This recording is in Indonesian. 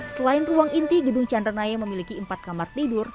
selain ruang inti gedung chandranaya memiliki empat kamar tidur